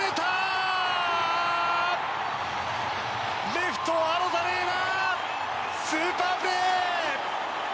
レフト、アロザレーナスーパープレー！